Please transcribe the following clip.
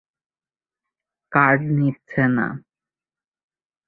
Card নিচ্ছে না।